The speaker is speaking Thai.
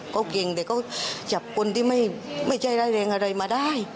เขาเก่งแต่เขาจับคนที่ไม่ใช่ร้ายแรงอะไรมาได้